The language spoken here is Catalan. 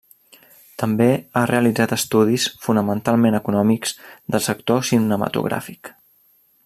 També ha realitzat estudis, fonamentalment econòmics, del sector cinematogràfic.